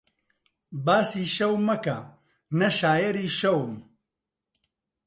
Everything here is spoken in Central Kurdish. باسی شەو مەکە نە شایەری شەوم